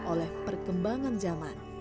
oleh perkembangan zaman